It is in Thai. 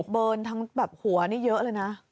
เบิร์นทั้งแบบหัวนี่เยอะเลยนะ